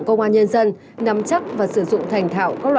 công cụ hỗ trợ